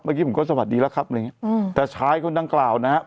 เมื่อกี้ผมก็สวัสดีแล้วครับอะไรอย่างเงี้อืมแต่ชายคนดังกล่าวนะครับ